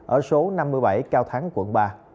ở số năm mươi bảy cao thắng quận ba